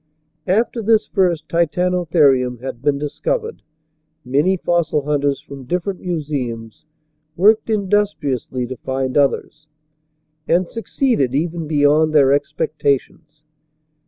After this first Titanotherium had been discovered, many fossil hunters from different museums worked industriously to find others, and succeeded even beyond their expectations.